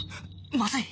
まずい